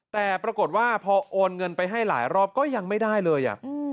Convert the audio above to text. แต่ปรากฏว่าพอโอนเงินไปให้หลายรอบก็ยังไม่ได้เลย